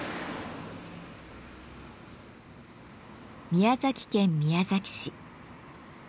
宮崎県宮崎市。